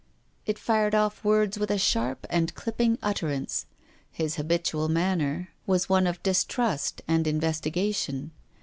It fired off words with a sharp and clipping utterance. His hal)ilual manner was one of distrust and investigation.